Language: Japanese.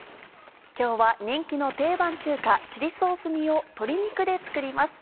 今日は人気の定番中華チリソース煮を鶏肉で作ります。